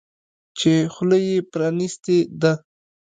چې خوله یې پرانیستې ده.